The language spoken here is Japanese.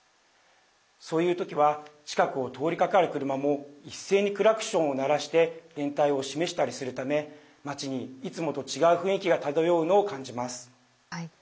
そういう時は近くを通りかかる車も一斉にクラクションを鳴らして連帯を示したりするため街に、いつもと違う雰囲気が漂うのを感じます。